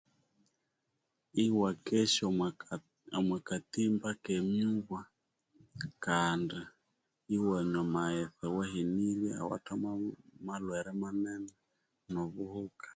Iwakesya omwakatimba kemibwa kandi iwanya amaghetse awahenirye awathemu amalhwere manene nobuhuka